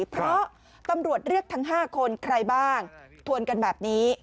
เพราะตำรวจเรียกทั้ง๕คนใครบ้างทวนกันแบบนี้